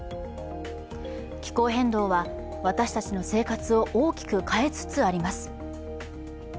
気候変動は私たちの生活を大きく変えつつあります。